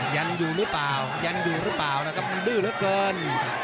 ยันอยู่หรือเปล่านะครับมันดื้อเหลือเกิน